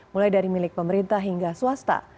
mulai dari milik pemerintah hingga swasta